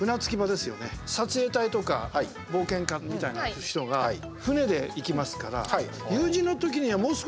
撮影隊とか冒険家みたいな人が船で行きますから。